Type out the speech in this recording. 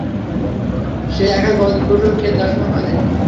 সে একাই গবাদিপশু ও ক্ষেত দেখাশোনা করে।